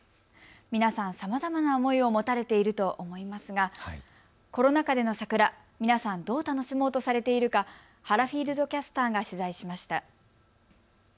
皆さん、さまざまな思いを持たれていると思いますがコロナ禍での桜、皆さんどう楽しもうとされているか、原フィールドキャスターが取材しました。